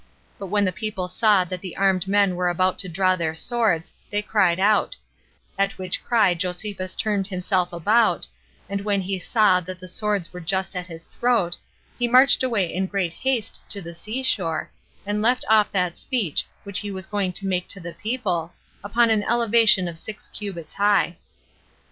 But when the people saw that the armed men were about to draw their swords, they cried out; at which cry Josephus turned himself about, and when he saw that the swords were just at his throat, he marched away in great haste to the sea shore, and left off that speech which he was going to make to the people, upon an elevation of six cubits high.